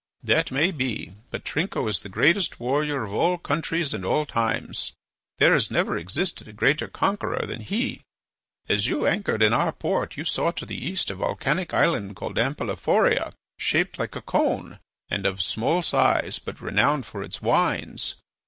"That may be, but Trinco is the greatest warrior of all countries and all times. There never existed a greater conqueror than he. As you anchored in our port you saw to the east a volcanic island called Ampelophoria, shaped like a cone, and of small size, but renowned for its wines.